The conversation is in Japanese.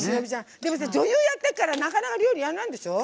女優やってからなかなか料理、やんないでしょ。